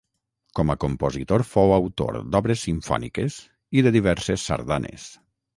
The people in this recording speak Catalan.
Com a compositor fou autor d'obres simfòniques i de diverses sardanes.